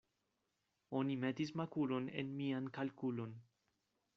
Oni metis makulon en mian kalkulon.